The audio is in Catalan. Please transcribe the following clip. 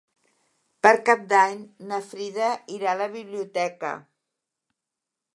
Per Cap d'Any na Frida irà a la biblioteca.